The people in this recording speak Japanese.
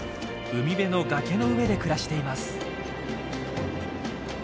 海辺の崖の上で暮らしています。